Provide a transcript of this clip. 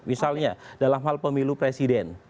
misalnya dalam hal pemilu presiden